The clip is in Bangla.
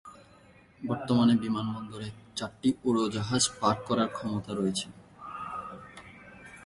বর্তমানে বিমানবন্দরে চারটি উড়োজাহাজ পার্ক করার ক্ষমতা রয়েছে।